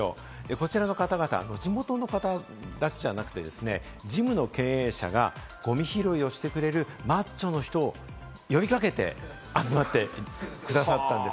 こちらの方々、地元の方だけじゃなくて、の経営者がゴミ拾いをしてくれるマッチョの人を呼び掛けて集まってくださったんです。